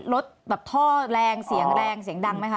รถแบบท่อแรงเสียงแรงเสียงดังไหมคะ